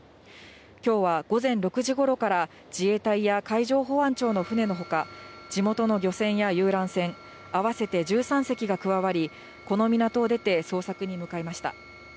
きょうは午前６時ごろから、自衛隊や海上保安庁の船のほか、地元の漁船や遊覧船、合わせて１３隻が加わり、この港を出て捜索に向かいました。